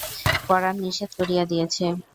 পরাণ নিষেধ করিয়া দিয়াছে।